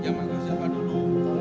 yang panggil siapa dulu